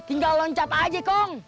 lu mau loncat aja kong